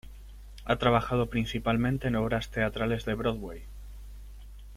Ha trabajado principalmente en obras teatrales de Broadway.